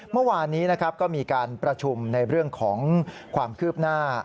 เมื่อวานนี้นะครับก็มีการประชุมในเรื่องของความคืบหน้า